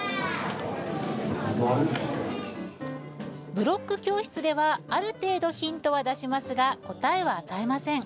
ブロック教室ではある程度ヒントは出しますが答えは与えません。